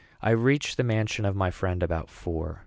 I reached the mansion of my friend about four.